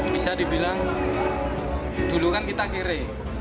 bisa dibilang dulu kan kita kere